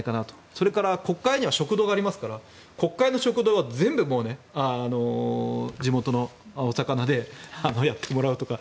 それから国会には食堂がありますから国会の食堂は全部地元のお魚でやってもらうとか。